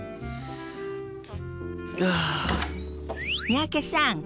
三宅さん